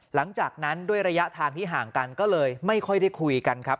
หลังจากนั้นด้วยระยะทางที่ห่างกันก็เลยไม่ค่อยได้คุยกันครับ